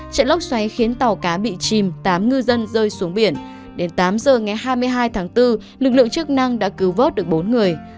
trận lốc xoáy khiến tàu cá bị chìm tám ngư dân rơi xuống biển đến tám giờ ngày hai mươi hai tháng bốn lực lượng chức năng đã cứu vớt được bốn người